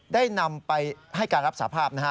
ได้นำไปให้การรับสาภาพนะฮะ